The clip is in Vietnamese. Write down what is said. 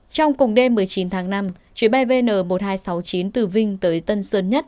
trong cùng đêm một mươi chín tháng năm chuyến bay vn một nghìn hai trăm sáu mươi chín từ vinh tới tân sơn nhất